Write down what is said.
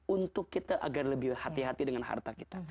untuk kita agar lebih hati hati dengan harta kita